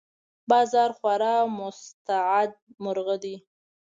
باز خورا مستعد مرغه دی